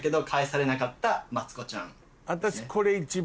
私。